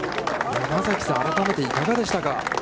山崎さん、改めていかがでしたか。